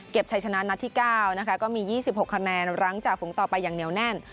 ชัยชนะนัดที่๙นะคะก็มี๒๖คะแนนหลังจากฝูงต่อไปอย่างเหนียวแน่น